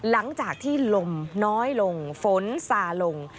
หลังจากที่ลมน้อยลงฝนซาลง